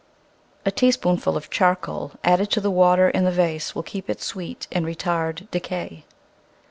A teaspoonful of charcoal added to the water in the vase will keep it sweet and retard decay.